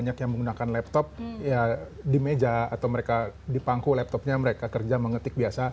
banyak yang menggunakan laptop ya di meja atau mereka di pangku laptopnya mereka kerja mengetik biasa